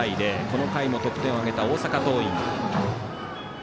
この回も得点を挙げた大阪桐蔭。